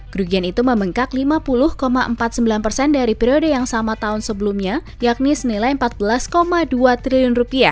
kerugian itu membengkak lima puluh empat puluh sembilan persen dari periode yang sama tahun sebelumnya yakni senilai rp empat belas dua triliun